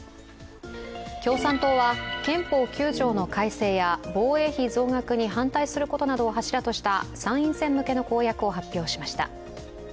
共産党は、憲法９条の改正や、防衛費増額に反対することなどを柱とした参院選向けの公約を発表しました。